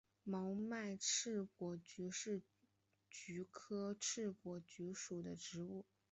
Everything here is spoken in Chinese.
毛脉翅果菊是菊科翅果菊属的植物。